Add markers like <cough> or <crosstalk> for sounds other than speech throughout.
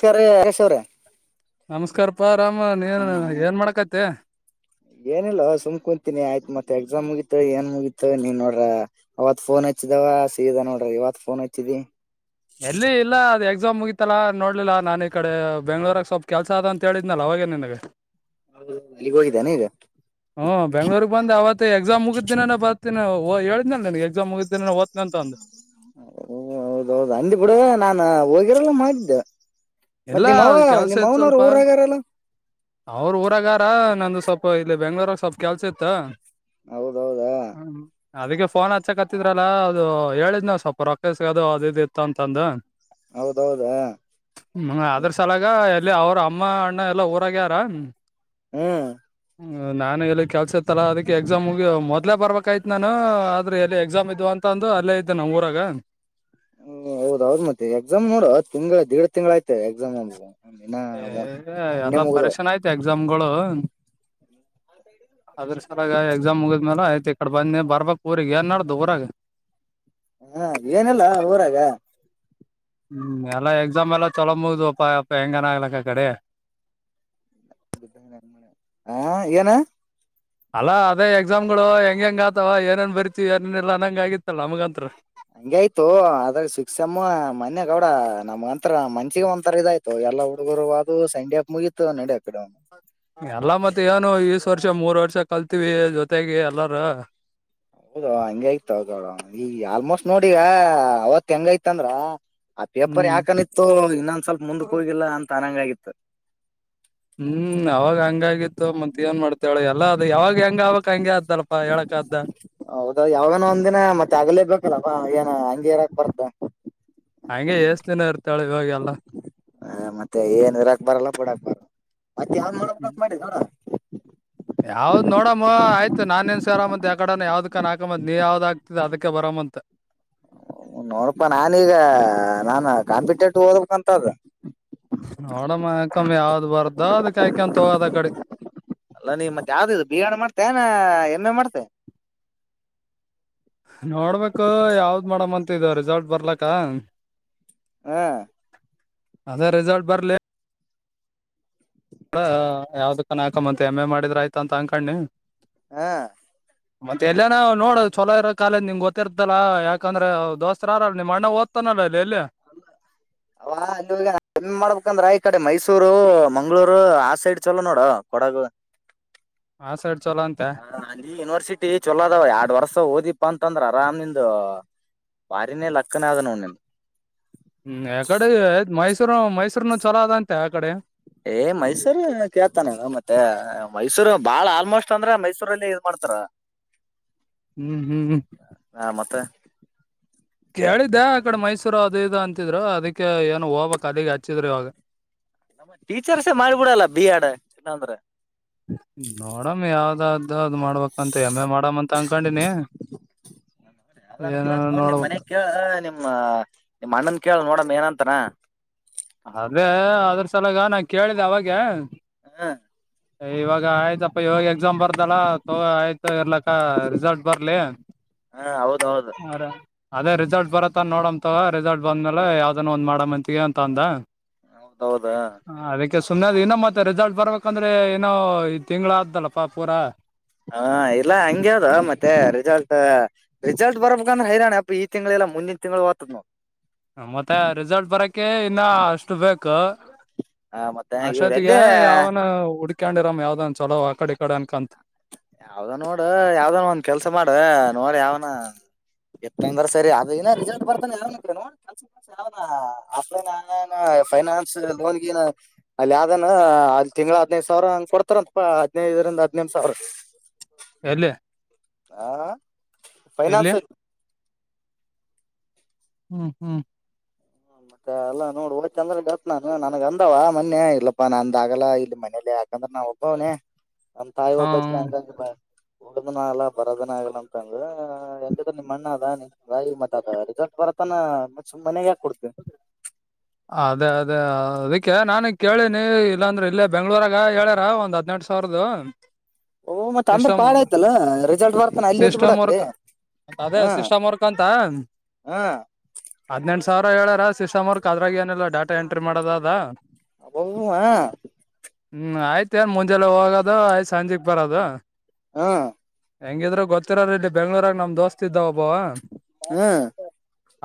ಕರೆ <unintelligible> ಒರೆ ನಮಸ್ಕಾರಪ್ಪಾ ರಾಮ <unintelligible> ನೀನ್ ಏನ್ ಮಾಡಕತ್ತಿ. ಏನಿಲ್ಲಾ <unintelligible> ಸುಮ್ ಕುಂತೀನಿ ಆಯ್ತ್ ಎಕ್ಸಾಮ್ ಮುಗಿತ ಏನ್ ಮುಗಿತ ನೀನ್ ನೋಡ್ರ ಅವತ್ ಫೋನ್ ಅಚ್ <unintelligible> ಹಚ್ಚಿದಾವ <unintelligible> ಸೀದ ನೋಡ್ರಿ ಇವತ್ ಫೋನ್ ಹಚ್ಚಿದಿ ಎಲ್ಲಿ ಇಲ್ಲ ಅದು ಎಕ್ಸಾಮ್ ಮುಗಿತಲ್ಲಾ ನೋಡ್ಲಿಲ್ಲಾ ನಾನ ಈ ಕಡೆ ಬೆಂಗಳೂರಾಗ್ ಸ್ವಲ್ಪ್ ಕೆಲ್ಸ ಅದ ಅಂತ ಹೇಳಿದ್ನಲ್ಲ ಅವ <unintelligible> <unintelligible> ಇಲ್ಲಿಗ್ ಹೋಗಿದ್ದಾನೆ ಈಗ ಹ್ಮ್ ಬೆಂಗಳೂರಗ್ ಬಂದ ಅವತ್ತೆ ಎಕ್ಸಾಮ್ ಮುಗಿದ್ದ ದಿನಾನೇ ಬರ್ತಿನ <unintelligible> ಹೇಳ್ದನಲ್ಲ ನಿನ್ಗ್ ಎಕ್ಸಾಮ್ ಮುಗಿದ್ದ್ ದಿನನೇ ಓದ್ <unintelligible> <unintelligible> ಹೌದೌದು ಅಂದ ಬಿುಡ ನಾನ್ ಹೋಗಿರಲ್ಲ ಮಾಡಿದ್ದೆ <unintelligible> ಮತ್ ಇಲ್ಲ ನಿಮ್ಮವ ಕೆಲ್ಸ ನಿಮ್ಮ ಇತ್ ಅವನವ್ರು ಸ್ವಲ್ಪ ಊರಾಗ್ಯಾರಲ್ಲ ಅವ್ರ ಊರಗಾರ ನಂದು <unintelligible> <unintelligible> ಇಲ್ಲಿ ಬೆಂಗ್ಳೂರಾಗ ಸ್ವಲ್ಪ ಕೆಲ್ಸ ಇತ್ತ. ಹೌದೌದಾ ಹ್ಮ್ ಅದಕ್ಕೆ ಫೋನ್ ಹಚ್ಚಕ್ತ್ತಿದ್ರಲ್ಲ ಅದು ಹೇಳಿದ್ ನಾವ್ ಸ್ವಲ್ಪ ರೊಕ್ಕಸ್ ಅದು ಅದ ಇದ ಇತ್ತು ಅಂತಂದು ಹೌದೌದಾ ಹ್ಮ ಅದ್ರ ಸಲಾಗ ಎಲ್ಲಿ ಅವ್ರ ಅಮ್ಮ ಅಣ್ಣ ಎಲ್ಲಾ ಊರಗೆ ಅವ್ರ. ಹ್ಮ್ ಹ್ಮ ನಾನು ಎಲ್ಲಿ ಕೆಲ್ಸ ಇತ್ತಲ್ಲ ಅದಕ್ಕೆ ಎಕ್ಸಾಮ್ಗಿ <unintelligible> ಮೊದಲೇ ಬರ್ಬೇಕಾಯ್ತ್ ನಾನು ಆದ್ರೆ ಎಲ್ಲಿ ಎಕ್ಸಾಮ್ ಇದ್ವ ಅಂತ್ ಅಂತ ಅಂದು ಅಲ್ಲೇ ಇದ್ದೆ <unintelligible> ಊರಾಗ. ಹ ಹೌದೌದ್ ಮತ್ತೆ ಎಕ್ಸಾಮ್ ನೋಡ ತಿಂಗಳ <unintelligible> ದೇಡ್ ತಿಂಗಳ ಆಯ್ತ ಎಕ್ಸಾಮ್ <unintelligible> ಮೊನ್ನೆ <unintelligible> ಮುಗ್ದವ್ ಎಸಾಮ್ಗಳು ಅದ್ರ ಸಲ ಎಕ್ಸಾಮ್ ಮುಗಿದ್ಮೇಲ ಆಯ್ತಡೆ ಬಂದ ಬರ್ <unintelligible> ಏನ್ ನಡದ್ ಊರಾಗ ಹಾ <unintelligible> ಏನಿಲ್ಲಾ ಊರಾಗ ಹ್ಮ್ ಎಲ್ಲ ಎಕ್ಸಾಮ್ ಎಲ್ಲ ತೊಳೊ ಮುಗವಪ್ಪ ಅಪ್ಪ ಹೆಂಗನ ಆಗ್ಲಕ್ಕ ಕಡೆ <unintelligible> ಹ ಏನ ಅಲ್ಲ ಅದೇ ಎಕ್ಸಾಮ್ ಗಳು ಹೆಂಗ ಹೆಂಗ ಆತವ ಏನೇನ್ ಬರಿತತಿವಿ ಏಾರೇನ್ ಇಲ್ಲ ಅನ್ನಂಗ ಆಗತ್ತಲ್ಲ ನಮಗಂತ್ರ ಹಂಗೆ ಆಯ್ತು ಆದ್ರ ಸುಕ್ಸಮ್ಮ ಮನ್ಯಗಡ ನಮ್ ಒಂತರ ಮನ್ಚಿಗೆ ಒಂಂತರ ಇದಾಯ್ತು ಎಲ್ಲಾ ಹುಡುಗರು ಅದು ಸೆಂಡ್ ಆಫ್ ಮುಗಿತತ ನಡ ಕಡೆ ಎಲ್ಲ ಮತ್ತ ಏನು ಈಸ್ ವರ್ಷ ಮೂರ್ ವರ್ಷ ಕಲ್ತಿವಿ ಜೊತೆಗೆ ಎಲ್ಲರ ಹೌದ ಹಂಗಯ್ತ ಈ ಆಲ್ಮೋಸ್ಟ್ ನೋಡಿಗ ಅವತ್ ಹೆಂಗೈತ್ಂದ್ರ <unintelligible> ಆ ಪೇಪರ್ ಹ್ಮ್ ಯಾಕನಿತ್ತೋ ಇನ್ನೊಂದ ಸ್ವಲ್ಪ ಮುಂದಕ್ ಹೋಗಿಲ್ಲ ಅಂತ ಅನಂಗಗಿತ್ತು ಹ್ಮ್ ಅವಾಗ ಹಂಗಾಗಿತ್ತು ಮತ್ತ ಏನ್ ಮಾಡ್ತವಳ ಎಲ್ಲ ಹೆಂಗ್ ಆಗ್ಬೇಕು ಹಂಗೆ ಅದ್ದಲ್ಪಾ ಹೇಳಕ್ ಹೌದಾ ಯಾವನ ಒಂದಿನ ಮತ್ತೆ ಆಗ್ಲೇ ಬೇಕಲ್ಲವಾ ಏನ ಹಂಗಗೆರಕ್ ಬರ್ತ ಹಂಗೆ ಎಏಷ್ಟ ದಿನ ಇರ್ತಾಳೆ ಇವಾಗೆಲ್ಲ ಹ ಮತ್ತೆ ಏನ್ರಾಕ್ಬಾರಲ್ಲ ಬಡಾಕ್ಬಾರ ಮತ್ತ ನೋಡ್ <unintelligible> ಯಾವ್ದ್ ನೋಡಮ್ಮ ಆಯ್ತ ನಾಾನೇನ್ ಸರಮ್ಮತ್ ಯಕಡ ಯಾವ್ದ್ ಕನ್ ಹಾಕತ್ ನೀ ಯಾವ್ದ್ ಆಗ್ತ ಅದಕ ಬರಮ್ಮತ್ <unintelligible> ಅಂತ <unintelligible> ನೋಡಪಾ ನಾನೀಗ ನಾನ ಕಾಂಪಿಟೇಟಿವ್ ಓದ್ಬೇಕಂತದ ನೋಡಮ್ಮಕಮ್ಮಿ ಯಾವ್ದ್ ಬರ್ದ ಅದ ಕಾಯ್ಕಂತ ಹೋಗೋದ ಕಡೆ ಅಲ್ಲ ನೀ ಮ ಯಾವ್ದ ಇದು ಬಿಗಾಣೆ ಮಾಡ್ತೇ ನ ಎಮ್ಮೆ ಮಾಡ್ತೆೇ <unintelligible> ನೋಡ್ಬೇಕು ಯಾವ್ದ್ ಮೇಡಮ್ ಅಂತಿದ ರಿಸಲ್ಟ್ ಬರ್ಲಕ್ಕ ಹ್ಮ್ ಅದೇ ರಿಸಲ್ಟ್ ಬರ್ಲಿ ಅ ಯಾವ್ದಕ್ಕ ಆಕಂತ ಎಮ್ ಎ ಮಾಡಿದ್ರ ಆಯ್ತ ಅಂತ ಅಂಗಕಣಿ ಹ ಮತ್ತೆ ಎಲ್ಲನ ನೋಡ ಚಲೋ ಇರೋ ಕಾಲೇ ನಿಮ್ ಗೊತ್ತರ್ತಲ್ಲ ಯಾಕಂದ್ರೆ ದೋಸ್ತಾರ ನಿಮ ಅ್ಣ ಓದ್ತಾನಲ್ಲ ಇಲ್ಲಿ ಎಲ್ಲಿ ಅವ ಇಲ್ಲಿಮ್ಮಿ ಮಾಡ್ಬೇಕಂದ್ರ ಈ ಕಡೆ ಮೈಸೂರು ಮಂಗ್ಳೂರು ಆ ಸೈಡ್ ಚಲೋ ನೋಡು ಪಾಠಗಳು ಆ ಸೈಡ್ ಚಲೋ ಅಂತೆ ಹ ಯೂನಿವರ್ಸಿಟಿ ಚೊಲೋ ಅದವ ಎರಡ್ ವರ್ಸ ಓದಿಪ್ಪಾ ಅಂತಂದ್ರ ಆರಾಮ್ ನಿಂದು ವಾರಿನೇ ಲೆಕ್ಕನಾದನವು ನಿಂದು ಹ್ಮ್ ಯಕಡೆ್ ಮೈಸೂರು ಮೈಸೂರ್ನ ಚೊಲೋ ಅದಂತೆ ಆಕಡೆ ಏ್ ಮೈಸೂರ್ ಕೇಳ್ತಾನೆ ಮತ್ತೆ ಮೈಸೂರು ಬಾಳ ಆಲ್ಮೋಸ್ಟ್ ಅಂದ್ರೆ ಮೈಸೂರಲ್ಲಿ ಇದ ಮಾಡ ಹರ <unintelligible> ಹ್ಮ್ ಹ್ಮ್್ಮ ಹ ಮತ್ತೆ ಕೇಳಿದ್ದೆ ಆ ಕಡೆ ಮೈಸೂರು ಅದ ಇದು ಅಂತಿದ್ರ ಅದಕ್ಕೆ ಏನು ಹೋಗಬಕ್ ಕಲಗ್ ಹಚ್ಚಿದ್ರರು ಇವಾಗ ಟೀಚರ್ಸೆ ಮಾಡ್ಬಿಡಲ್ಲ ಬಿ ಆಡ್ ಚನ್ನ ಅಂದ್ರ ನೋಡಮ್ ಯಾವ್ದ್ದ <unintelligible> ಮಾಡ್ಬೇಕಂತ ಎಮ್ಮ ಎ ಮಾಡಮ ಅಂತ ಅನ್ಕೊಂಡಿನಿ ಏನು ನೋಡಬೇಕು ನಿ ಅಣ್ಣನ್ ಕೇಳ ನೋಡಮ್ಮ ಏನಂತನ ಅದೇ ಅದ್ರ ಸಲಾಗ ನಾ ಕೇಳಿದೆ ಅವಗೆ ಹ್ಮ್ ಇವಾಗ ಆಯ್ತಪ್ಪಾ ಇವಾಗ ಎಕ್ಸಾಮ್ ಬರ್ದಳ ತಗ ಆಯ್ತ ಇರ್ಲಕ್ಕ ರಿಸಲ್ಟ್ ಬರ್ಲಿ <inaudible> ಹಾ ಹೌದೌದು ಅದೇ ರಿಸಲ್ಟ್ ಬರತ್ತ ಅ ನೋಡಂ ತಗ ರಿಸಲ್ಟ್ ಬಂದ್ಮೇಲೆ ಯಾವ್ದನ್ ಒಂದ್ ಮಾಡ ಮಂತಗೆ ಅಂತ ಅಂದ ಹೌದೌದಾ ಸುಮನೆದ ಇನ್ನೊ ಮತ್ತೆ ರಿಸಲ್ಟ್ ಬರ್ಬೇಕಂದ್ರೆ ಇನ್ನೋ ಈ ತಿಂಗಳು ಆದ್ದಲ್ಲಪ್ಪಾ ಪೂರಾ ಹಾ ಇಲ್ಲಾ ಹಂಗಗೆ ಅದು ಮತ್ತೆ ರಿಸಲ್ಟ್ ರಿಸಲ್ಟ್ ಬರ್ಬೇಕಂದ್ರೆ ಹೈ್ದಣ <unintelligible> ಅಪ್ಪ ಈ ತಿಂಗಳಲ್ಲ ಲ್ಲ ಮುಂದಿನ ತಿಂಗಳು ಆತದ ಮತ್ತೆ ರಿಸಲ್ಟ್ ಬರಕೆ ಇನ್ನ ಅಷ್ಟು ಬೇಕು ಆ ಮತ್ತೆ ಇವ್ರ ಅಷ್ಟೊತ್ತಿಗೆ ಎಲ್ಲಿ ಯಾವನ ಹುಡ್ಕಂಡಿರಾಮ ಯಾವ್ದನ್ ಚೊಲೋ ಆ ಕಡೆ ಈ ಕಡೆ ಅನ್ಕಂತ ಯಾವ್ದ ನೋಡ್ ಯಾವ್ದನ ಒಂದ್ ಕೆಲ್ಸ ಮಾಡ ನೋಡ ಯಾವನ ಎಪ್ಪೊಂದರ್ ಸರಿ ಅದ ಇನ ರಿಸಲ್ಟ್ ಬರ್ತೆ ನೋಡಿ ಸ ಆಫ್ಲನ್ ಆ ಫೈನಾನ್ಸ್ ಲೋನ್ಗನ ಅಲ್ಲಿಾನ ಹ ಅಲ್ಲಿ ತಿಂಳ ಹದ್ದು ಸಾವಿರ ಹಂಗ್ ಕೊಡ್ತಾರ ಅಂತಾ ಹದಿನೈದರಿಂದ ಹದ್ನೆಂ ಸಾವಿರ ಎಲೆ ಹಾ ಫೈನಾನ್ಸ್ ಹ್ಮ್ ಹ್ಮ್ ಹ ಮತ್ತೆ ಅಲ್ಲಾ ನೋಡಿ ಒಳ ಚಂದ್ರ ಗತ್ ನಾನು ನನ್ಗ್ ಅಂದವ ಮನ್ಯ ಇರ್ಲ್ಲಪ್ಪಾ ನಾ ಅಂದ ಆಗಲ್ಲಾ ಇಲ್ಲಿ ಮನೇಲಿ ಯಾಕಂದ್ರೆ ನಾವ ಒಬ್ಬವ್ನನೆ ಒಂದ್ ತಾಯಿ ಹ ಒಬ್ಬಕ ಹಂಗಂಗ ಉಡ್ದನ ಆಲ್ಲ ಬರೋದನ ಆಗಲ್ಲ ಅಂತಂದ ಹೆಂಗಿದ ನಿಮ್ಮ ಅಣ್ಣ ದಾನಿ ರಾಯಿ ಮಠ ಅದೀಗ ಬರತನ ಮ ಮನೆಗೆ ಯಾಕ ಕೊಡ್ತೇವಿ ಅದೇ ಅದೇ ಅದಕ್ಕೆ ನಾನಗ್ ಕೇಳನಿ ಇಲ್ಲಾಂದ್ರೆ ಇಲ್ಲೇ ಬೆಂಗ್ಳೂರಾಗ ಹೇಳ್ಯಾರ ಒಂದ್ ಹದ್ಟು ಸಾವಿರದ ಓ ಮತ್ತತ್ ಅಂದ್ರ ಪಾಡ ಆಯ್ತಲ್ಲ ರಿಸಲ್ಟ್ ಬರ್ತಾನ ಅಲ್ಲಿಯತ್ ಬಿಡ ಅ ಕಡೆ ಮ ಅದೇ ಸಿಸ್ಟಮ್ ವರ್ಕ್ ಅಂತ ಹ ಹದ್ನಂ ಸಾವಿರ ಏರ ಸಿಸ್ಟ್ ವರ್ಕ್ ಅದ್ರಾಗ ಏನಿಲ್ಲ ಡಾಟಾ ಎಂಟ್ರಿ ಮಾಡದ ಹಬ ಹಾ ಹ್ಮ್ ಆಯ್ತ ಏನ್ ಮುಂಜೆಲ್ಲ ಹೋಗೋದು ಆಯ್ತತ್ ಸಂಜೆಕ್ ಬರದು ಹಾ ಹೆಂಗಿದ್ರರು ಗೊತ್ತಿರ ರಡ್ ಬೆಂಗ್ರಾಗ ನಮ್ ದೋಸ್ತ ಇದ್ದಾವ ಒಬ್ಬವ ಹ್ಮ್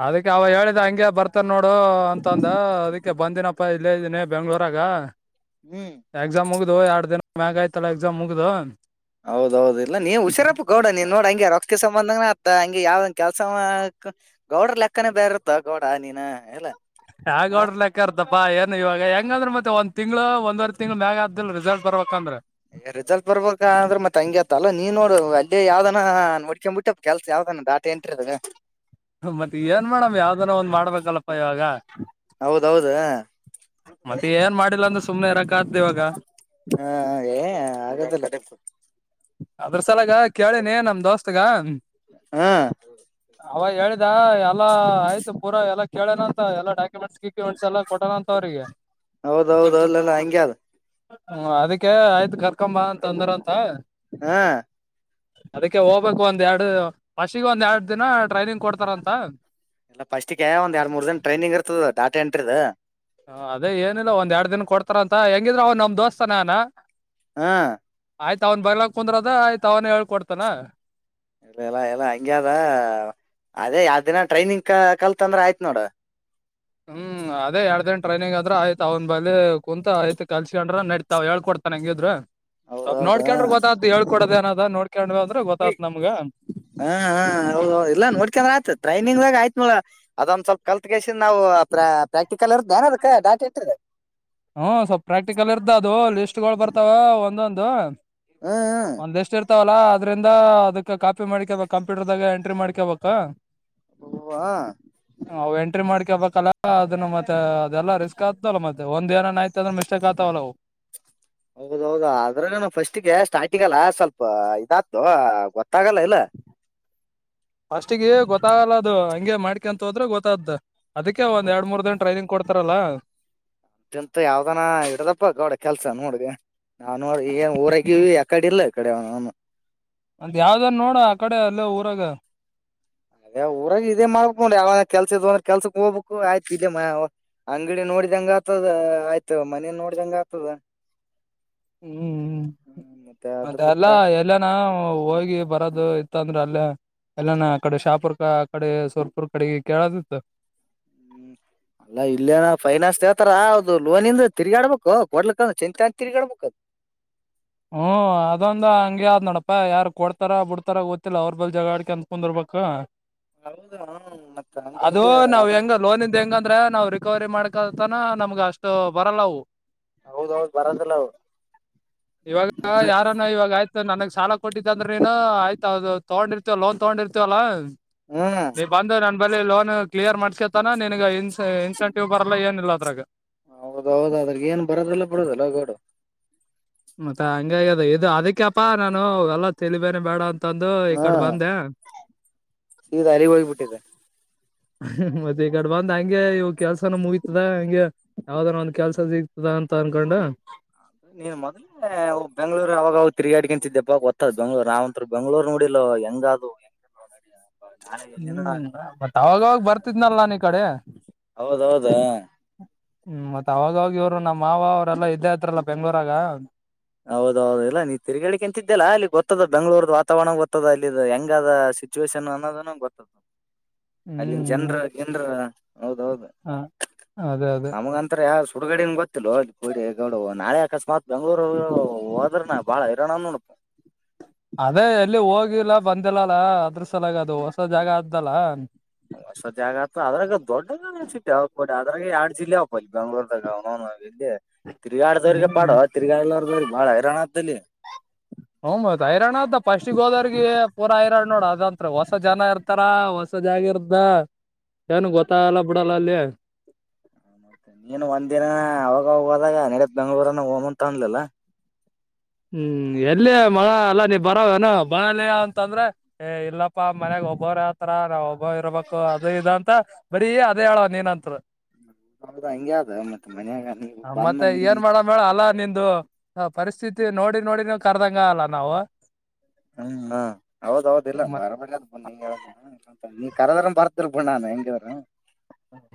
ಅದಕ್ಕೆ ಅವ ಹೇಳಿದ ಹಂಗಗೆ ಬರ್ತಾರ ನೋಡು ಅಂತಂದ ಅದಕ್ಕೆ ಬಂದಿನ ಇಲ್ಲೇ ಇದೀನಿ ಬೆಂಗ್ಳೂರಗ ಹ್ಮ್ ಎಕ್ಸಾಮ್ ಹಗ್ದ ಎರಡು ದಿನ ಮಾಗಾಯತಲ್ಲ ಎದಮ ಮುಗ್ದ ಹೌದೌದ ಇಲ್ಲ ನೀವು ಹುಷಾರಪ್ಪ ಗೌಡ ನೀನ್ ನೋಡ ಹಂಗೆ ರಕ್ತ ಸಂಬಂಧ ಮತ್ತ ಹಂಗೆ ಯಾವ್ದೊಂದ್ ಕೆಲ್ಸ ಗೌಡರ್ ಲೆಕ್ಕನ ಬೇರೆ ಇತ್ತ ಗೌಡ ನೀನ ಎಲ್ಲ ಹ ಯಗ ೋಡ್ರ ಲೆಕ್ಕ ಅರ್ದ ಬಾ ಏನ್ ಇವಾಗ ಹೆಂಗಂದ್ರೆ ಮತ್ತೆ ಒಂದ ತಿಂಗ್ಳ ಒಂದವರ್ ತಿಂಗ್ಳ ಮ್ಯಾಗ ಆದ್ದಲ್ ರಿಸಲ್ಟ್ರ್ಬೇಕಂದ್ರೆ ರಿಸಲ್ಟ್ ಬರ್ಬೇಕ ಅಂದ್ರೆ ಮತ್ ಹಂಗೆತ್ತಲ್ಲಾ ನೀನ್ ನೋ ಅಲ್ಲಿಯಾವ್ದನ ನೋಡ್ಕೊಂಡಂಬ ಬಿಟ್ಟ ಕೆಲ್ಸ ಯಾವ ದಾತ ಎಂಟಿರದೆ ಮತ್ತೆ ಏನ್ ಮಾಡೇಡಮ್ ಯಾವ್ದನ ಒಂದ್ ಮಾಡ್ಬೇಕಲ್ಲಪ್ಪ ಇವಾಗ ಹೌದೌದು ಹ ಮತ್ತೆ ಏನ್ ಮಾಡಿಲ್ಲ ಅಂದ್ರೆ ಸುಮ್ನೆರ ಕತ್್ದವಾಗ ಹ ಆಗದಲ್ಲ ರು ಅದ್ರ ಸಲಗ ಕೇಳಿನಿ ನಮ ದೋಸ್ತ್ಗ ಹಾ ಅವ ಹೇಳ ಇ ಎಲ್ಲ ಆಯ್ತು ಪೂರ ಎಲ್ಲಾ ಕೇಳೇನಂತ ಎಲ್ಲಾ ಡಾಕ್ಯುಮೆಂಟ್ಸ್ ಗಿಕ್ಯುಮೆಂಟ್ಸ್ ಎಲ್ಲಾ ಕೊಟ್ಟನಂತ ಅವ್ರಿಗೆ ಹೌದೌದು ಅಲ್ಲಲ್ಲಾ ಹಂಗಗೆ ಅದು ಹ್ಮ ಅದಕ್ಕೆ ಆಯ್ತು ಕರ್ಕೊಂಬ ಅಂತ ತಂದ್ರ ಅಂತ ಹಾ ಅದಕ್ಕೆ ಹೋಗ್ಬೇಕಕ್ ಒಂದ್ ಎರಡು ಫಸ್ಷಿಗೆ ಒಂದ್ ಎರಡ್ ದಿನ ಟ್ರೈನಿಂಗ್ ಕೊಡ್ತಾರಂತ ಇಲ್ಲ ಫಸ್ಟಿಗೆ ಒಂದ್ ಎರಡ್ ಮೂರ್ ದ ಟೈಿಂಗ ಇರ್ತದ ಡಾಟಾ ಎಂಟ್ರಿದ್ ಹ ಅದೇ ಏನಿಲ್ಲ ಒಂದ್ ಎರಡ್ ದಿನ ಕೊಡ್ತಾರ ಅಂತ ಹೆಂಗಿದ್ರ ಅವ ನಮ್ ದೋಸ್ತಾನಾನ ಹಾ ಆಯ್ತ ಅವನ್ ಬರ್ಲಾಕ್ ಕುಂದ್ರ ಅದ ಆಯ್ತ ಅವನೇ ಹೇಳ್ಕೊಡ್ತಾನ ಇಲ್ಲಲ್ಲಾ ಎಲ್ಲಾ ಹಂಗ್ಯದ ಅದೇ ಯಾವ ದಿನ ಟ್ರೈನಿಂಗ್ ಕ ಕಲ್ತ್ ಅಂದ್ರ ಆಯ್ತ್ ನೋಡ ಹ್ಮ್ ಅದೇ ಎರ್್ದ ಗಂಟ ಟ್ರೈನಿಂಗ್ ಆದ್ರ ಆಯ್ತ ಅವ್ ಬಿ ಕುಂತ ಆಯ್ತ್ ಕಸಕೊಂಡ್ರ ನಡತಾವ ಹೇಳ್ಕ ಕೊತನ್ ಹೆಂಗಿದ್ರ ಸ್ವಪ್ ಹೌದೌದು ನೋಡ್ಕೊಂಡ್ರೆ ಗೊತ್ತತ್ ಹೇಳ್ಕೊಡದೇಏನದ ನೋಡ್ಕೊಂಡ್ ಅಂದ್ರೆ ಗೊತ್ತಾತ್ ನಮ್ಗ ಹಾ ಹ ಇಲ್ಲಾ ನೋಡ್ಕಂದ್ರ ಆಯತತ್ ಟ್ರೈನಿಂಗ್ಗ ಆಯತ್ ಮಲ ಅದೊಂದ್ ಸ್ವಲ್ಪ ಕಲ್ತ್ ಕಲ್ಸಿದ ನಾವು ಪ್ರಾಕ್ಟಿಕಲ್ ಇರದ ಾನ ಅದ ದಾಟಿ ಇಟ್ಟಿದೆ ಹ್ಮ್ ಸ್ವಲ್ಪ್ ಪ್ರಾಕ್ಟಿಕಲ್ ಇರ್ತ ಅದು ಲಿಸ್ಟ್ ಬರ್ತಾವ ಒಂದೊಂದು ಹ್ಮ ಒಂದ ಎಷ್ಟ ಇರ್ತಾವಲ್ಲ ಅದ್ರಿಂದ ಅದಕ್ಕೆ ಕಾಪಿ ಮಾಡ್ಕೇಳ್ಬೇಕು ಕಂಪ್ಯೂಟರ್ದಾಗ ಎಂಟ್ರಿ ಮಾಡ್ಕೇಬಬೇಕು ಅವ ಎಂಟ್ರಿ ಮಾಡ್ಕ ಬಕಲ್ಲ ಅದನ್ನು ಮತ್ತೆ ಅದೆಲ್ಲ ರಿಸ್ಕ್ ಆಗ್ತಲ್ಲ ಮತ್ತೆ ಒಂದ ಏ ಆಯತ ಅದ್ರೆ ಮಿಸ್ಟೇಕ್ ಆಗ್ತಾವಲ್ಲಾವು ಹೌದೌದು ಅದ್ರಲ್ಲ ಫಸ್ಟ್ಗೆ ಸ್ಟಾರ್ಟಿಂಗಲ್ಲ ಸ್ವಲ್ಪ ಇದಾತು ಗೊತ್ತಾಗಲ್ಲ ಇಲ್ಲ ಫಸ್ಟಗೆ ಗೊತ್ತಾಗಲ್ಲ ಅದು ಹಂಗೆ ಮಾಡ್ಕಂತ ಹೋದ್ರೆ ಗೊತ್ತಾದ್ದ ಅದಕ್ಕೆ ಒಂದ್ ಎರಡ್ ಮೂರ್ ದಿನ ಟ್ರೈನಿಂಗ್ ಕೊಡ್ತಾರಲ್ಲ ಅಂತ ಯಾವ್ದನ ಇಡದಪ್ಪ ಗೌಡ ಕೆಲ್ಸ ನೋಡ್ಗೆ ನಾ ನೋ ಈಗೆ ಊರಗಿಲ್ ಯಕಡೆ ಇಲ್ಲ ಕಡೆ ಅಂದ ಯಾವ್ದಾರ್ ನೋಡ ಆ ಕಡೆ ಅಲ್ಲ ಊರಾಗ ಅದೇ ಊರಾಗ ಇದೇ ಮಾಡ್ಬೇಕ ನ್ರ ಯಾವ ಕೆಲ್ಸ ಇದ ಅಂದ್ರೆ ಕೆಲ್ಸಕ್ ಹೋಗ್ಬೇಕು ಆಯ್ತು ಇದೆಮ ಅಂಗಡಿ ನೋಡಿ ನೋಡಿದಂಗ ಆತದ ಆಯ್ತು ಮನ ನೋಡ್ದಂಗ ಆಗ್ತದ ಹ್ಮ್ ಹ್ಮ್ ಮತ್ತೆ ಅದು ಅದೆಲ್ಲ ಬಿಟ್ರ ಎಲ್ಲನ ಹೋಗಿ ಬರೋದು ಇತ್ತ ಅಂದ್ರ ಅಲ್ಲ ಎಲ್ಲಾನ ಆ ಕಡೆ ಶಾಪರ್ ಆ ಕಡೆ ಸ್ವಲ್ಪರ್ ಕಡೆಗೆ ಕೇಳದಿತ್ತು <unintelligible> ಹ್ಮ್ ಅಲ್ಲಾ ಇಲ್ಲೇನ ಫೈನಾನ್ಸ್ ಹೇಳ್ತಾರ ಅದು ಲೋನ್ಂದ ತಿರ್ಗಾಡ್ಬೇಕು ಕೊಡ್ಲಕ್ಕ ಚಿಂತೆ ತಿರ್ಗಾಡ್ಬೇಕಕ್ ಅದು <inaudible> ಹ್ಮ್ ಅದೊಂದ ಹಂಗಗೆ್ಯಾವ್ ನೋಡಪ್ಪಾ ಯಾರು ಕೊಡ್ತಾರ ಬಿಡ್ತಾರ ಗೊತ್ತಿಲ್ಲ ಅವ್ರ ಬಳ ಜಗ ಅಡ್ಕ ಅಂದ ಕುಂದರ್ ಬ ಕ್ಕ ಹೌದು ಮತ್ತ ಅದು ಹಂಗಾಗಿ ನಾವ್ ಅದ್ರ ಹೆಂಗ ಲೋನ್ ಹೆಂಗಂದ್ರ ನ್ ಕವರಿ ಮಾಡ್ಕತಾನ ನಮ್ಗ ಅಷ್ಟು ಬರಲ್ಲವು ಹೌದೌದು ಬರೋದಿಲ್ಲ ಅವು ಇವಾಗ ಯಾರಾನ ಇವಾಗ ಆಯ್ತು ನನಗ್ ಸಾಲ ಕೊಟ್ಟಿದ್ದ ಅಂದ್ರೆ ನೀನು ಆಯ್ತೌದು ತಗೊಂಡಿರ್ತೀವ ಲೋನ್ ತಗೊಂಡಿರ್ತೀವಲ್ಲಾ ಹ್ಮ್ ನೀ ಬಂದ ನನ್ ಬಲ್ಲಿ ಲೋನ್ ಕ್ಲಿಯರ್ ಮಾಡ್ಕತಾನ ನಿನ್ಗ ಇನ್ ಇನ್ಸೆಂಟಿವ್ ಬರಲ್ಲ ಏನಿಲ್ಲ ಅದ್ರಾಗ ಹೌದೌದ ಅದ್ರ ಏನ್ ಬರೋದೆಲ್ಲ ಬಿಡೋದಲ್ಲ ಗೋಡು ಮತ್ತ ಹಂಗದ ಇದು ಅದಕ್ಕಪ್ಪಾ ನಾನು ಎಲ್ಲ ತಿಲಿಬೇನೆ ಬೇಡ ಅಂತ ತಂದು ಈ ಕಡೆ ಬಂದೆ ಈದು ಅಲ್ಲಿ ಹೋಗಬಿಟ್ಟಿದೆ ಮತ್ತೆ ಈ ಕಡೆ ಬಂದ್ ಹಂಗೆ ಇವ್ ಕೆಲ್ಸನ ಮುಗತದ ಹಗೆ ಯಾವ್ದಾರ ಒಂದ್ ಕೆಲ್ಸ ಸಿಗ್ತದ ಅಂತ ಅನ್ಕೊಂಡು ನೀನ್ ಮೊದ್ಲೇ ಬೆಂಗ್ಳೂರಿಗೆ ಅವಾಗ ತ ತಿರುಗಾಡಿಗಿಂತಿದ್ದೆಬ್ಬಾಗ ಓದತ್ತದ್ ಬೆಂಗ್ಳೂರ್ ನಾವಂತ್ರ ಬೆಂಗ್ಳೂರು ನೋಡಿಲ್ಲಾ ಹೆಂಗದು ಹೆಂಗ <unintelligible> ಹ್ಮ್ ಮತ್ತ ಅವಾಗವಾಗ ಬರ್ತಿದ್ನಲ್ಲ ನಾನ್ ಈ ಕಡೆ ಹೌದೌದಾ ಆ ಹ್ಮ್ ಮತ್ತತ್ ಅವಾಗ ಇವ್ರು ನಮ್ಮ ಮಾವ ಅವರೆಲ್ಲಾ ಇದ್ದೇ ಆತ್ರಲ್ಲ ಬೆಂಗ್ಳೂರಾಗ ಹೌದೌದು ಇಲ್ಲಾ ನೀನ್ ತಿರುಗಿಿಕೆ ಎಂತ ಇದಿದ್ದಲ್ಲ ಅಲ್ಲಿ ಗೊತ್ತದ ಬೆಂಗಗಳೂರ್ದ ವಾತಾವರಣ ಗೊತ್ತದ ಅಲ್ಲಿಂದು ಇ ಹೆಂಗದ ಸಿಚುವೇೇಶನ್ ಅನ್ನೋದನ ಗೊತ್ತ ಅಲ್ಲಿನ್ ಜನ್ರ ಗಿನ್ರು ಹೌದೌದು ಹ ಅದೇ ಅದೇ ನಮ್ಗಂತರ ಯಾ ಹುಡುಗಡೆ ಗೊತ್ತಿಲ್ಲೊ ಅಲ್ಲಿ ಉಡೆಗಡೊ ನಾಳೆ ಅಕಸ್ಮಾತ್ ಬೆಂಗ್ಲರು ಹೋದ್ರ ನ ಬಾಳ ಹಿರೋಣ ನೋಡು ಅದೇ ಎಲ್ಲಿ ಹೋಗಿಲ್ಲ ಬಂದಿಲ್ಲಲ್ಲ ಅದ್ರ ಸಲಾಗ ಅದು ಹೊಸ ಜಾಗ ಆದ್ದಲ್ಲ ಹೊಸ ಜಾಗ ಅದರಗೆ ಎರಡು ಜಿಲ್ಲೆ ಒಪ್ಪ ಈ ಈ ಬೆಂಗಳ್ರುದಗೆ ಅವನೌನ್ <unintelligible> ವಿದ್ಯೆ ತಿರುಗಾಡದವ್ರಿಗೆ ಪಾಡು ತಿರುಗಾಡ್ಲಾರ್ದವ್ರಿಗೆ ಬಾಳ ಹೈರಾತ್ತಲಿ ಹ್ತ್ ಹೈರಾಣ ಅದ ಪಾಸ್ಟ್ಗೆ ಗೋದರ್ರಿಗೆ ಪೂರ ಹೈರಾಣ ನೋಡ ಅದಂತ್ತ್ರ ಹೊಸ ಜನ ಇರ್ತಾರ ಹೊಸ ಜಾಗಿ ಇರ್್ದ ಏನ್ ಗೊತ್ತಗಲ್ಲ ಬಿಡಲ್ಲ ಅಲ್ಲಿ ಮತ್ತೆ ನೀನು ಒಂದ್ನ ಅವಾಗ ಹೋದಾಗ ನೆಡತ್ ಬೆಂಗಳೂರನ ಹೋಮಂತ ಅನ್ಲಿಲ್ಲ ಹ್ಮ್ ಎಲ್ಲಿಯ ಮಳ ಎಲ್ಲಾ ನೀವ್ ಬರೇಏನು ಬಾಂಡ್ಲಿಯ ಅಂತಂದ್ರೆ ಏ ಇಲ್ಲಪ್ಪಾ ಮನ್ಯಾಗ ಒಬ್ಬವರು ಯತರ ನಾವ್ ಒಬ್ಬರು ಇರ್ಬೇಕು ಅದು ಇ ಅಂತ ಬರೀ ಅದೇ ಹೇಳವ ನೀನಂತ ಹೌದಾ ಹಂಗಗೆ ಅ ಆದ ಮತ್ತೆ ಮನ್ಯಾಗ ನೀವು ಬಂದ ಮತ್ತೆ ನೀ ಏನ್ ಮಾಡಮ್ ಹೇಳ ಅಲ್ಲಾ ನಿಂದು ಪರಿಸ್ಥಿತಿ ನೋಡಿ ನೋಡಿ ನೀವು ಕರ್ದಂಗ ಅಲ್ಲ ನಾವು ಹ್ಮ್ ಹಾ ಹೌದೌದಿಲ್ಲ ಬಾರ ಬಳ ಅದ್ ಬ ನೀ ಹೇಳ ನೀ ಕರದ್ರ ಬರ್ದರು ಬೂಣ್ಣಾನ್ ಹೆಂಗಿದ್ರು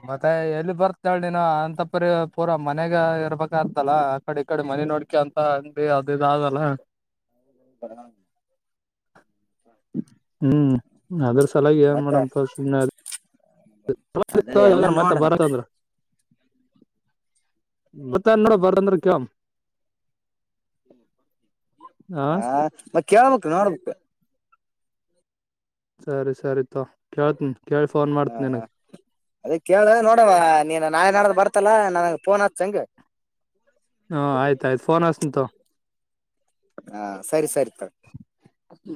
ಮತ್ತೆ ಎಲ್ಲಿ ಬರ್ತಾಳ ನೀನು ಅಂತ ಪರಿ ಪೂರಾ ಮನೆಗ ಇರ್ಬೇಕ ಆತಲ್ಲ ಆ ಕಡೆ ಈ ಕಡೆ ಮನೆ ನೋಡ್ಕೆ ಅಂತ ಅಂಗಿ ಅದ ಇದಾಗಲ್ಲ <inaudible> <unintelligible> ಹ್ಮ್ ಅದ್ರ ಸಲಾಗಿ ಏನ್ ಮತ್ತೆ ಮಾಡಂಪ ಸಿಮ ಅದೇ ಎಲ್ಲ ನೋಡ ಮತ್ತೆ ಬರತ್ ಅಂದ್ರ <unintelligible> ಮತ್ತ ನೋಡ ಬರಂದ್ರ ಕ್ ಹ ಮತ್ತ ಕೇಳಬೇಕಕ್ ನೋಡ್ಬೇಕ ಸರಿ ಸರಿತ ಕೇಳ್ತೀನಿ ಹ ಅದೇ ಕೇಳ ನೋಡವ ನೀನ್ ನಾಳೆ ನಡ್ದ ಬರ್ತಲ್ಲಾ ನನಗ್ ಫೋನ್ ಆತ ಚಂಗ ಹಾ ಆಯ್ತ ಆಯ್ತ್ ಫೋನ್ ಹಚ್ತೀನಿ ತಗೋ ಹಾ ಸರಿ ಸರಿ ತಗ ಹ